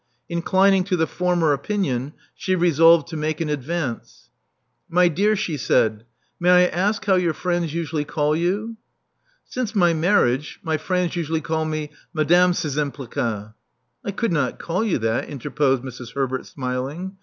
Inclining to the former opinion, she resolved to make an advance. My dear," she said: "may I ask how your friends usually call you?" "Since my marriage, my friends usually call me Madame Szczympliga " "I could not call you that," interposed Mrs, Herbert, smiling.